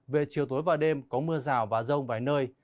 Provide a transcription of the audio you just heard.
về chiều tối và đêm có mưa rào và rông vài nơi